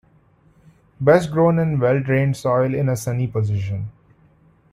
Best grown in well drained soil in a sunny position.